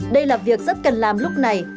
đây là việc rất cần làm lúc này